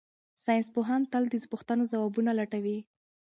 ساینس پوهان تل د پوښتنو ځوابونه لټوي.